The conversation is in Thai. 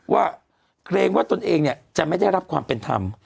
เกรงว่าตนเองจะไม่ได้รับความเป็นธรรม